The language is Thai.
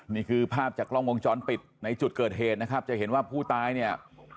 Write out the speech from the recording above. นี่คือภาพจากกล้องวงจรปิดในจุดเกิดเหตุนะครับจะเห็นว่าผู้ตายเนี่ย